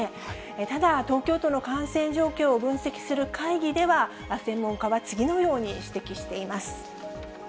ただ、東京都の感染状況を分析する会議では、専門家は次のように指摘しています。